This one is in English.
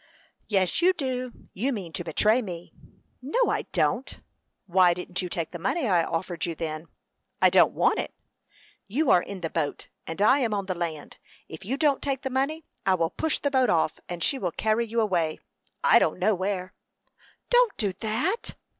"Yes, you do; you mean to betray me." "No, I don't." "Why didn't you take the money I offered you, then?" "I don't want it." "You are in the boat, and I am on the land. If you don't take the money, I will push the boat off, and she will carry you away I don't know where." "Don't do that."